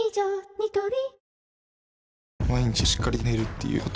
ニトリ